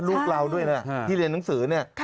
ลูกเราด้วยนะที่เรียนหนังสือเนี่ย